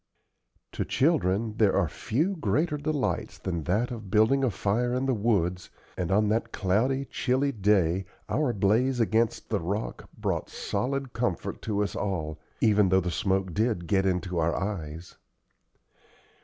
To children there are few greater delights than that of building a fire in the woods, and on that cloudy, chilly day our blaze against the rock brought solid comfort to us all, even though the smoke did get into our eyes.